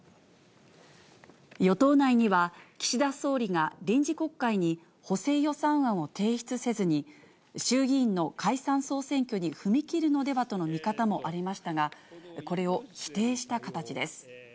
与党内には、岸田総理が臨時国会に補正予算案を提出せずに、衆議院の解散・総選挙に踏み切るのではとの見方もありましたが、これを否定した形です。